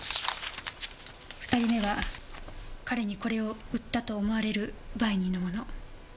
２人目は彼にこれを売ったと思われる売人のもの。